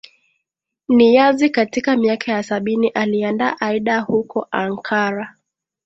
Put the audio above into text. Niyazi katika miaka ya sabini aliandaa Aida huko Ankara